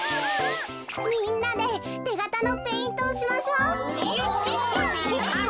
みんなでてがたのペイントをしましょう。